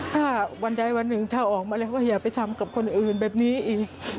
ถ้าวันใดวันหนึ่งถ้าออกมาแล้วก็อย่าไปทำกับคนอื่นแบบนี้อีก